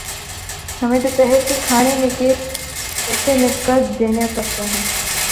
ہمیں دوپہر کے کھانےنکے پیسے نقد دینا پڑتے ہیں